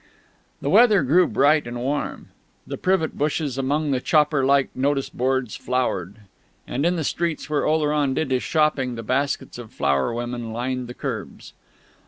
The weather grew bright and warm. The privet bushes among the chopper like notice boards flowered, and in the streets where Oleron did his shopping the baskets of flower women lined the kerbs.